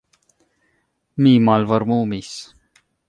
Mi malvarmumis.